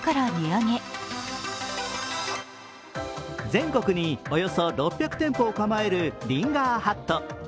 全国におよそ６００店舗を構えるリンガーハット。